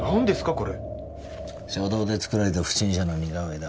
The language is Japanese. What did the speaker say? これ初動で作られた不審者の似顔絵だ